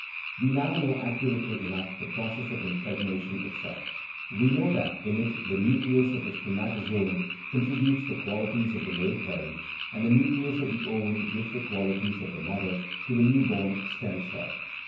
We now know accurately enough the process of impregnation itself ; we know that in it the nucleus of the spermato zoon contributes the qualities of the male parent, and the nucleus of the ovum gives the qualities of the mother, to the newly born stem cell.